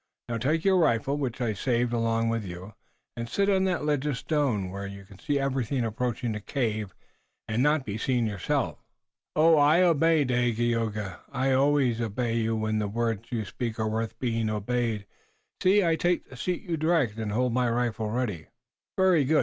Now, take your rifle, which I saved along with you, and sit on that ledge of stone, where you can see everything approaching the cave and not be seen yourself." "I obey, O Dagaeoga. I obey you always when the words you speak are worth being obeyed. See, I take the seat you direct, and I hold my rifle ready." "Very good.